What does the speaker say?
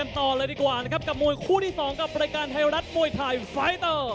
ตอนที่๒มวยคู่ที่๒กับรายการไทยรัฐมวยไทยไฟตเตอร์